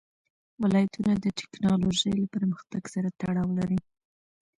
ولایتونه د تکنالوژۍ له پرمختګ سره تړاو لري.